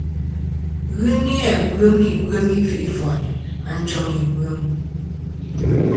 Ghɨ ni-a bwem ibwem i kfi'foyn a njoŋ ìbwem.